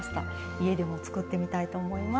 家でも作ってみたいと思います。